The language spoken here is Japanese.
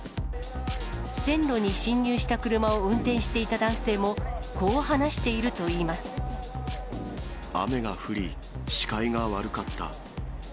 線路に進入した車を運転していた男性も、こう話しているといいま雨が降り、視界が悪かった。